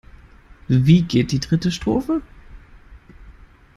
Wie geht die dritte Strophe?